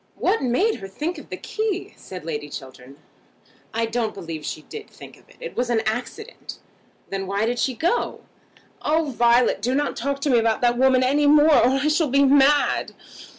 "What made her think of the key?" said Lady Chiltern. "I don't believe she did think of it. It was an accident." "Then why did she go?" "Oh, Violet, do not talk to me about that woman any more, or I shall be mad."